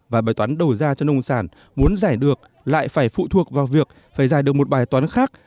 và bài toán đầu ra cho nông sản muốn giải được lại phải phụ thuộc vào việc phải giải được một bài toán khác